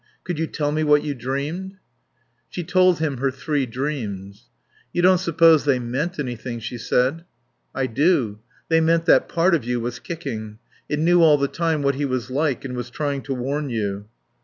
"Could you tell me what you dreamed?" She told him her three dreams. "You don't suppose they meant anything?" she said. "I do. They meant that part of you was kicking. It knew all the time what he was like and was trying to warn you."